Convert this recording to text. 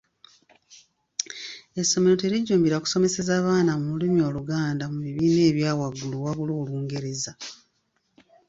Essomero terijjumbira kusomeseza baana mu lulimi Oluganda mu bibiina ebya waggulu wabula Olungereza.